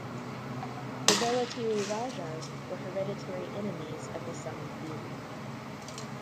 The Vellatiri rajas were hereditary enemies of the Samoothiri.